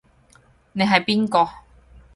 你係邊個？